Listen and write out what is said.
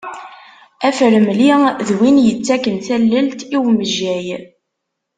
Afremli d win yettaken tallelt i umejjay.